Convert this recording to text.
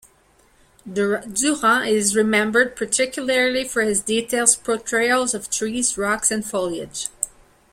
Durand is remembered particularly for his detailed portrayals of trees, rocks, and foliage.